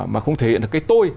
mà không thể hiện được cái tôi